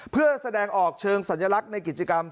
เพื่อแสดงออกเชิงสัญลักษณ์ในกิจกรรม